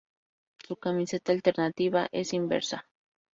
Su camiseta alternativa es inversa.